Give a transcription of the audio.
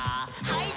はい。